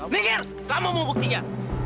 mingir kamu mau buktinya